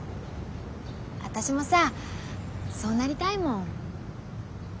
私もさそうなりたいもん。